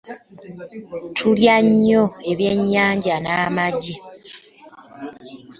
Tulya nnyo ebyennyanja n'amagi.